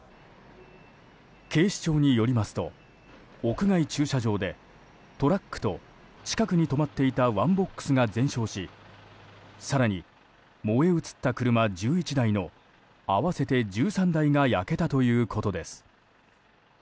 警視庁によりますと屋外駐車場でトラックと近くに止まっていたワンボックスが全焼し更に燃え移った車１１台の合わせて１３台が焼けたということです。